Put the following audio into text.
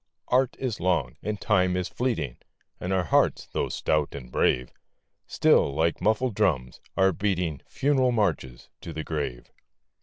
Art is long, and Time is fleeting, And our hearts, though stout and brave, Still, like muffled drums, are beating Funeral marches to the grave.